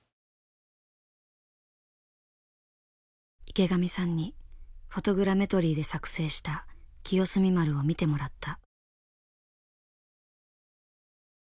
池上さんにフォトグラメトリーで作成した清澄丸を見てもらった。